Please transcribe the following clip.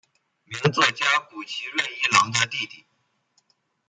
名作家谷崎润一郎的弟弟。